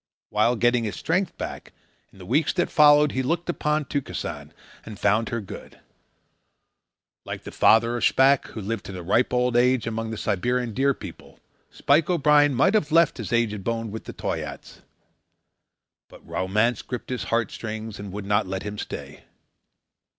While getting his strength back, in the weeks that followed, he looked upon Tukesan and found her good. Like the father of Shpack, who lived to a ripe old age among the Siberian Deer People, Spike O'Brien might have left his aged bones with the Toyaats. But romance gripped his heart strings and would not let him stay.